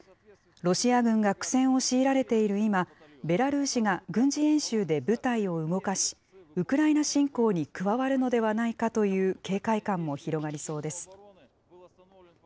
ロシア軍が苦戦を強いられている今、ベラルーシが軍事演習で部隊を動かし、ウクライナ侵攻に加わるのではないかという警戒感も広がりそうです。